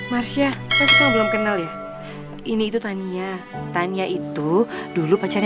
marsya kalian ngomong aja dulu ya